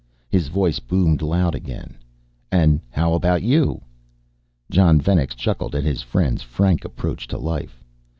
His voice boomed loud again, "And how about you?" Jon Venex chuckled at his friend's frank approach to life.